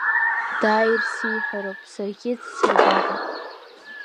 Дааир сиҳәароуп саргьы дсырба ҳәа.